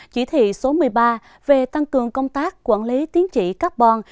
chỉ thị số một mươi ba về tăng cường công tác quản lý tiến trị carbon